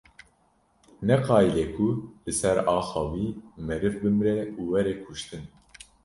Neqayîle ku li ser axa wî meriv bimre û were kuştin.